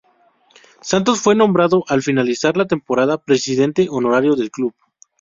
Santos fue nombrado al finalizar la temporada presidente honorario del club.